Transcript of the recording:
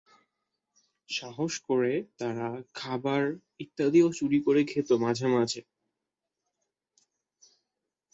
সাহস করে তারা খাবার ইত্যাদিও চুরি করে খেত মাঝে মাঝে।